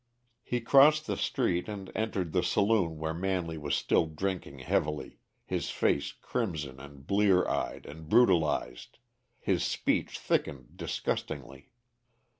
He crossed the street and entered the saloon where Manley was still drinking heavily, his face crimson and blear eyed and brutalized, his speech thickened disgustingly.